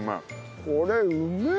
これうめえ！